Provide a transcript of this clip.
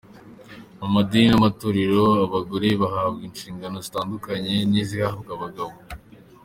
Mu madini n’amatorero, abagore bahabwa inshingano zitandukanye n’izihabwa abagabo.